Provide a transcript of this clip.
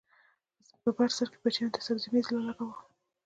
بر سر کې بچیانو ته د سبزۍ مېز ولګاوه